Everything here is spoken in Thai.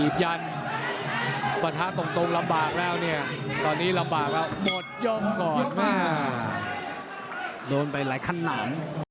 พันธาตุตกลงตรงละบากแล้วเนี้ยตอนนี้ละบากวะหมดย้มกอดมา